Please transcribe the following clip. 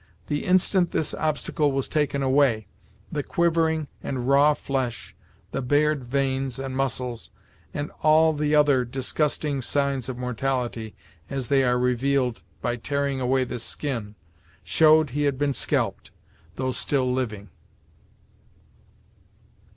The instant this obstacle was taken away, the quivering and raw flesh, the bared veins and muscles, and all the other disgusting signs of mortality, as they are revealed by tearing away the skin, showed he had been scalped, though still living.